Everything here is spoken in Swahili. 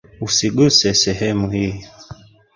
Usiguse sehemu hii.